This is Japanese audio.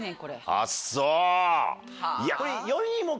あっそう！